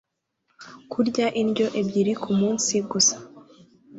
kurya indyo ebyiri ku munsi gusa